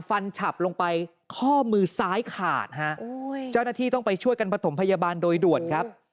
ฉับลงไปข้อมือซ้ายขาดฮะเจ้าหน้าที่ต้องไปช่วยกันประถมพยาบาลโดยด่วนครับ